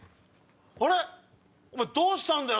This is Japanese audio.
あれ⁉お前どうしたんだよ？